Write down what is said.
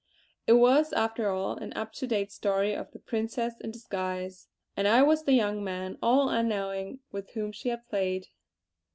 It was, after all, an up to date story of the Princess in disguise; and I was the young man, all unknowing, with whom she had played.